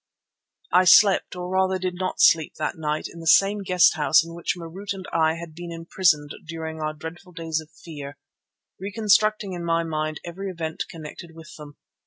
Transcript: I slept, or rather did not sleep, that night in the same guest house in which Marût and I had been imprisoned during our dreadful days of fear, reconstructing in my mind every event connected with them.